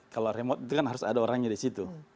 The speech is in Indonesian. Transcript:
kalau remote itu kan harus ada orangnya di situ